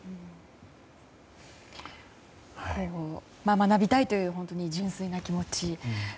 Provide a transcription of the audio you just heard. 学びたいという純粋な気持ち。